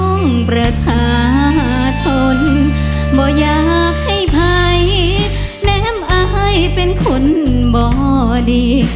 ประชาชนบ่อยากให้ภัยแน้มอายเป็นคนบ่ดี